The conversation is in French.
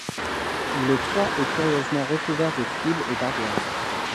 Le toit est curieusement recouvert de tuiles et d'ardoises.